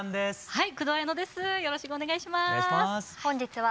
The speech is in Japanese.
はい。